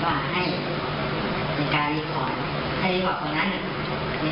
ก็จะมีบางเหตุการณ์ครับที่ไปจากประมาณจนเกิดประเด็นไม่เชิดมา